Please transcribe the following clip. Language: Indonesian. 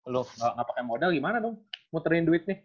lu gak pake modal gimana dong muterin duit nih